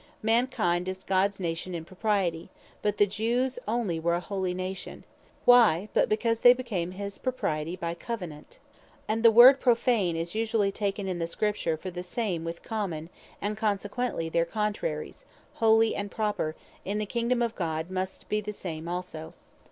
Mankind is Gods Nation in propriety: but the Jews only were a Holy Nation. Why, but because they became his Propriety by covenant. Sacred What And the word Profane, is usually taken in the Scripture for the same with Common; and consequently their contraries, Holy, and Proper, in the Kingdome of God must be the same also.